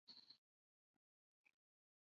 十年说起来很长